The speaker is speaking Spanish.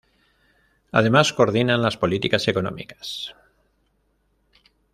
Además, coordinan las políticas económicas.